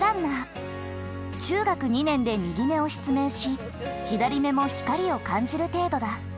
中学２年で右目を失明し左目も光を感じる程度だ。